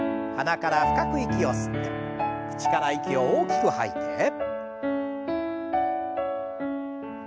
鼻から深く息を吸って口から息を大きく吐いて。